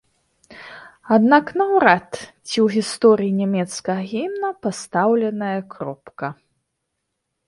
Аднак наўрад ці ў гісторыі нямецкага гімна пастаўленая кропка.